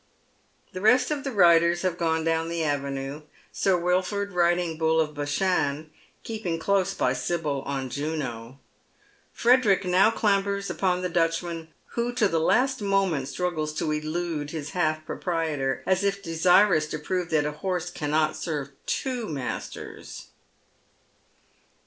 The rest of the riders have gone down the avenue. Sir Wilford rilling Bull of Bashan, and keeping close beside Sibyl on Juno. Frederick now clambers upon the Dutchman, who to the last moment stniggles to elude his half proprietor, as if desirous to prove that a horse cannot serve two masters.